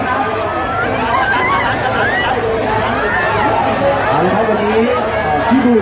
ขอบคุณมากนะคะแล้วก็แถวนี้ยังมีชาติของ